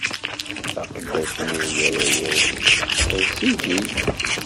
Aqeddac-nni yerra-yas: D sidi!